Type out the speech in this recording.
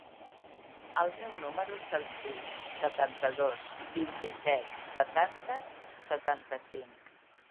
El meu número es el sis, setanta-dos, vint-i-set, setanta, setanta-cinc.